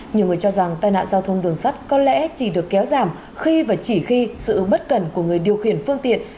nhiều người cho rằng tai nạn giao thông đường sắt có lẽ chỉ được kéo giảm khi và chỉ khi sự bất cần của người điều khiển phương tiện